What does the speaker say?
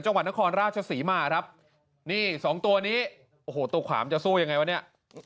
จังหวัดนครราชศรีมาครับนี่สองตัวนี้โอ้โหตัวขวามันจะสู้ยังไงวะเนี่ย